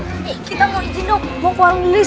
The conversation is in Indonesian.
eh kita mau izin dong mau keluar nulis